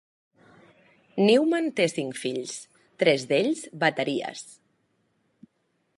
Newman té cinc fills, tres d'ells bateries.